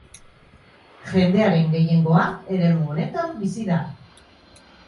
Jendearen gehiengoa eremu honetan bizi da.